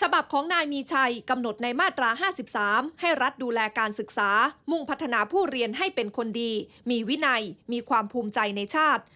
ฉบับของนายมีชัยกำหนดในมาตรา๕๓ให้รัฐดูแลการศึกษามุ่งพัฒนาผู้เรียนให้เป็นคนดีมีวินัยมีความภูมิใจในชาติ